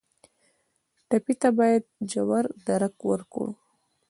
ټپي ته باید ژور درک وکړو.